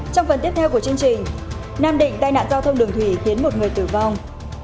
trong phần tiếp theo của chương trình nam định tai nạn giao thông đường thủy khiến một người tử vong